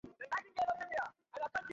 একটি ব্যাংকের ম্যানেজার ছিলাম।